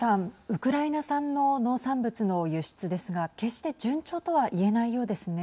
ウクライナ産の農産物の輸出ですが決して順調とは言えないようですね。